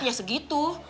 tapi ya segitu